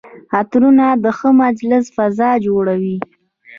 عطرونه د ښه مجلس فضا جوړوي.